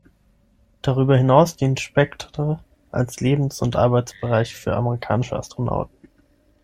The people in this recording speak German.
Darüber hinaus diente Spektr als Lebens- und Arbeitsbereich für amerikanische Astronauten.